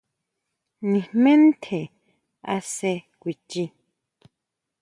Nijmé ntjen asje kuchii.